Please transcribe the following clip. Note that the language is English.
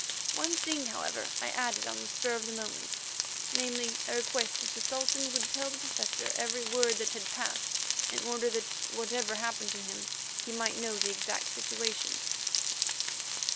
One thing, however, I added on the spur of the moment—namely, a request that the Sultan would tell the Professor every word that had passed, in order that whatever happened to him he might know the exact situation.